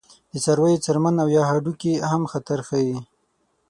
د څارویو څرمن او یا هډوکي هم خطر ښيي.